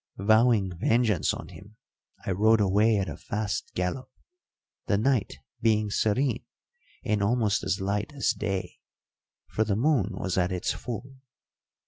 Vowing vengeance on him, I rode away at a fast gallop; the night being serene, and almost as light as day, for the moon was at its full.